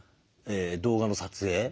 動画の撮影。